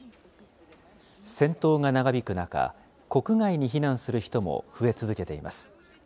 戦闘が長引く中、国外に避難する人も増え続けています。